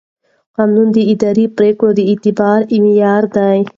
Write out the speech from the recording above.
قانون د اداري پرېکړو د اعتبار معیار دی.